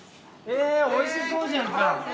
へぇおいしそうじゃん。